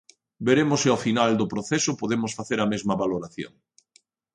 Veremos se ao final do proceso podemos facer a mesma valoración.